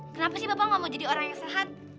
kenapa sih bapak nggak mau jadi orang yang sehat